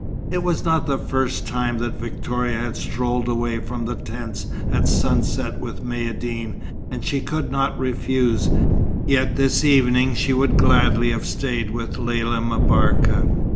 It was not the first time that Victoria had strolled away from the tents at sunset with Maïeddine, and she could not refuse, yet this evening she would gladly have stayed with Lella M'Barka.